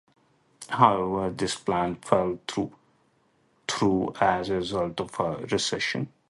However, this plan fell through as a result of the recession.